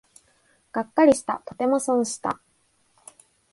がっかりした、とても損した